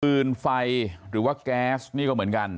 ปืนไฟหรือว่าแก๊สนี่ก็เหมือนกัน